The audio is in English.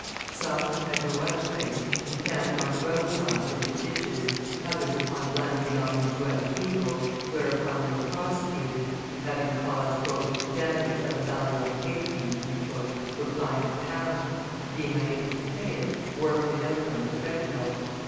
Some, who had no other place, encamped on the roadsides and in ditches, others upon land belonging to other people, whereupon they were prosecuted, and, having caused "damage of the value of a halfpenny," were fined a pound, and, being unable to pay it, worked it out on the treadmill.